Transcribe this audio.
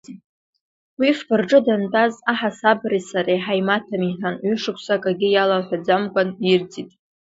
Уи фба рҿы дантәаз, аҳасабреи сареи ҳаимаҭәам иҳәан, ҩышықәса акагьы иалаҳәаӡамкәан ирӡит.